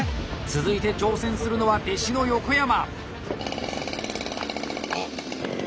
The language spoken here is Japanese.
続いて挑戦するのは弟子の横山。